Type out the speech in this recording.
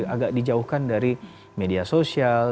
agak dijauhkan dari media sosial